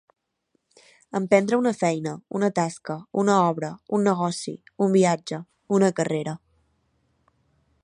Emprendre una feina, una tasca, una obra, un negoci, un viatge, una carrera.